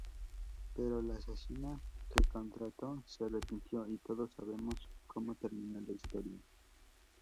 Pero la asesina que contrató se arrepintió y todos sabemos como termina la historia.